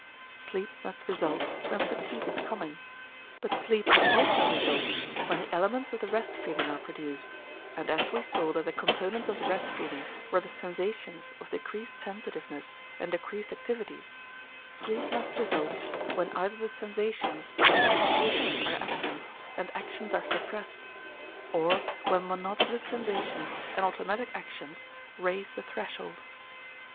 Sleep must result when fatigue is coming, but sleep must also result when the elements of the rest feeling are produced, and as we saw that the components of the rest feeling were the sensations of decreased sensitiveness and decreased activity, sleep must result when either the sensations and associations are absent and actions are suppressed, or when monotonous sensations and automatic actions raise the threshold.